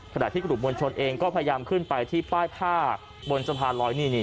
ขณะที่กลุ่มมวลชนเองก็พยายามขึ้นไปที่ป้ายผ้าบนสะพานลอยนี่